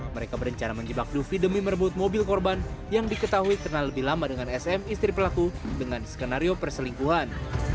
mereka berencana menjebak dufi demi merebut mobil korban yang diketahui kenal lebih lama dengan sm istri pelaku dengan skenario perselingkuhan